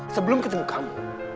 sebelum ketemu kamu